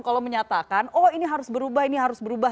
kalau menyatakan oh ini harus berubah ini harus berubah